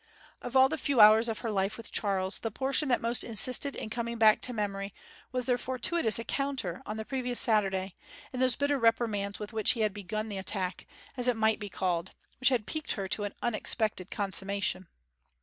Of all the few hours of her life with Charles, the portion that most insisted in coming back to memory was their fortuitous encounter on the previous Saturday, and those bitter reprimands with which he had begun the attack, as it might be called, which had piqued her to an unexpected consummation.